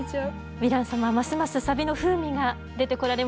ヴィラン様ますますサビの風味が出てこられましたね。